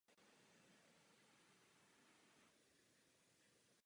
Mezitím v Srbsku pokračovaly boje mezi povstalci a tureckou armádou.